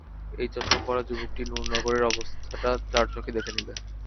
এই চশমা-পরা যুবকটি নুরনগরের অবস্থাটা আড়চোখে দেখে নিলে।